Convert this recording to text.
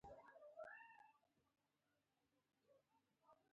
د یو ملت پرمختګ د خلکو په یووالي پورې تړلی دی.